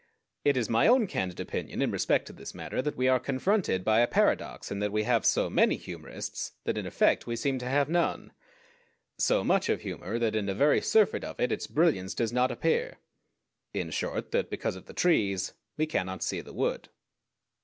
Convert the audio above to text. It is my own candid opinion in respect to this matter that we are confronted by a paradox in that we have so many humorists that in effect we seem to have none; so much of humor that in the very surfeit of it its brilliance does not appear; in short, that because of the trees we cannot see the wood.